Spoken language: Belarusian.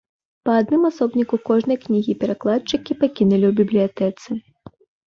Па адным асобніку кожнай кнігі перакладчыкі пакінулі ў бібліятэцы.